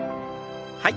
はい。